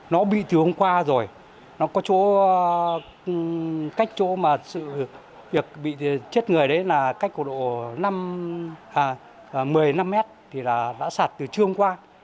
nó bị thiếu hôm qua rồi nó có chỗ cách chỗ mà sự việc bị chết người đấy là cách của độ một mươi một mươi năm mét thì là đã sạt từ chiều hôm qua